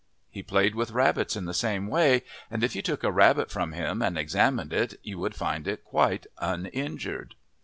He played with rabbits in the same way, and if you took a rabbit from him and examined it you would find it quite uninjured.